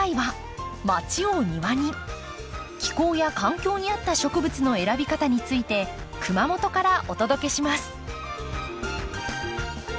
気候や環境に合った植物の選び方について熊本からお届けします。